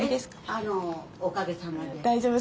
あのおかげさまで。